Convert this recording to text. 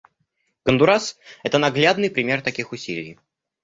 Гондурас — это наглядный пример таких усилий.